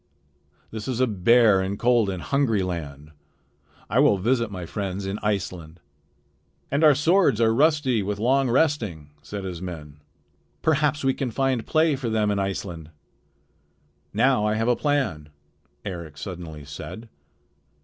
This is a bare and cold and hungry land. I will visit my friends in Iceland." "And our swords are rusty with long resting," said his men. "Perhaps we can find play for them in Iceland." "Now I have a plan," Eric suddenly said.